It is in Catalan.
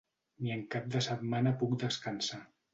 Ni en cap de setmana puc descansar.